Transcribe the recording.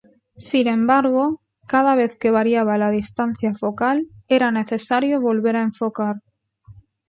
Sin embargo, cada vez que variaba la distancia focal era necesario volver a enfocar.